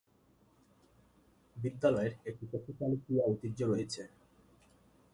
বিদ্যালয়ের একটি শক্তিশালী ক্রীড়া ঐতিহ্য রয়েছে।